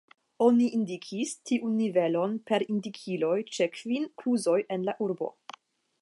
Oni indikis tiun nivelon per indikiloj ĉe kvin kluzoj en la urbo.